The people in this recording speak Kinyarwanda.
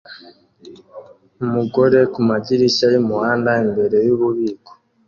Umugore kumadirishya yumuhanda imbere yububiko